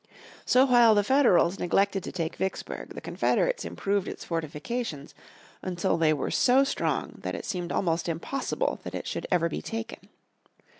So while the Federals neglected to take Vicksburg the Confederates improved its fortifications until they were so strong that it seemed almost impossible that it should ever be taken.